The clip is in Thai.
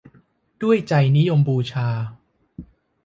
ด้วยใจนิยมบูชา